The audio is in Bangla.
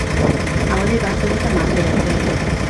আমাদের বাস্তবতা মাথায় রাখতে হবে।